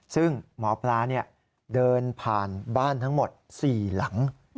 ซึ่งหมอปลาเดินผ่านบ้านทั้งหมด๔หลัง